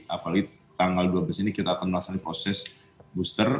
apalagi tanggal dua belas ini kita akan melaksanakan proses booster